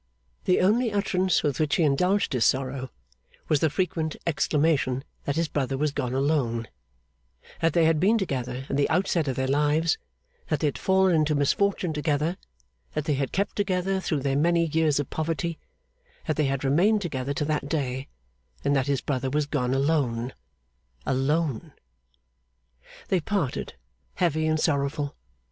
The only utterance with which he indulged his sorrow, was the frequent exclamation that his brother was gone, alone; that they had been together in the outset of their lives, that they had fallen into misfortune together, that they had kept together through their many years of poverty, that they had remained together to that day; and that his brother was gone alone, alone! They parted, heavy and sorrowful.